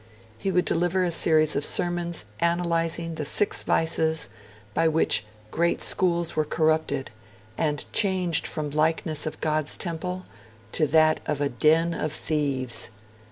He would deliver a series of sermons analysing 'the six vices' by which 'great schools were corrupted, and changed from the likeness of God's temple to that of a den of thieves'.